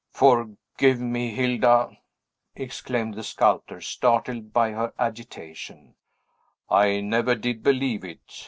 "Forgive me, Hilda!" exclaimed the sculptor, startled by her agitation; "I never did believe it!